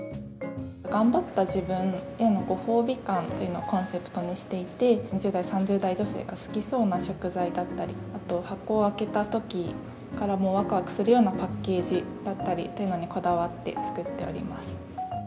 頑張った自分へのご褒美感というのをコンセプトにしていて、２０代、３０代女性が好きそうな食材だったり、あと箱を開けたときからわくわくするようなパッケージだったりっていうのにこだわって作っております。